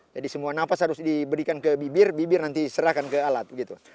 jadi semua nafas harus diberikan ke bibir bibir nanti diserahkan ke alat